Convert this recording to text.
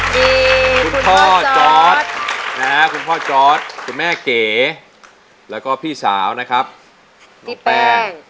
ดีคุณพ่อจอสคุณพ่อจอสคุณแม่เก๋แล้วก็พี่สาวนะครับน้องแป้ง